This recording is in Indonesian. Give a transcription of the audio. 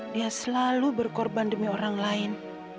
dia selalu berkorban demi orang lain